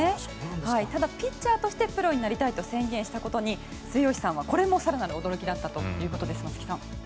ただ、ピッチャーとしてプロになりたいと宣言したことに末吉さんは、これも更なる驚きだったということです。